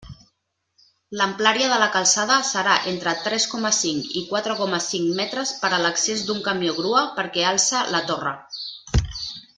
L'amplària de la calçada serà entre tres coma cinc i quatre coma cinc metres per a l'accés d'un camió grua perquè alce la torre.